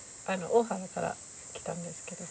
大原から来たんですけど。